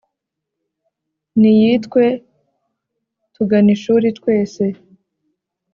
ni yitwe tuganishuri twese